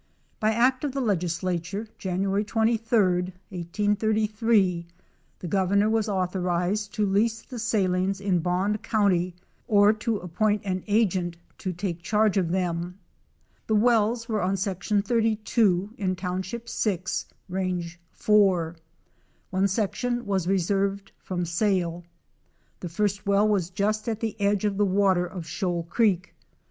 By act of the Legislature, Jan. 23, 1833, the Governor was authorized to lease the salines in Bond county, or to appoint an agent to take charge of them. The wells were on section 32, in township 6, range 4. One section was reserved from sale. The first well was just at the edge of the water of Shoal creek.